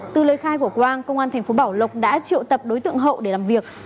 từ lời khai của quang công an tp bảo lộc đã triệu tập đối tượng hậu để làm việc